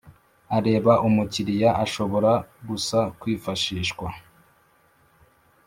areba umukiriya ashobora gusa kwifashishwa